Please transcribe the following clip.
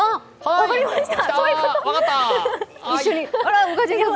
分かりました！